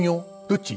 どっち？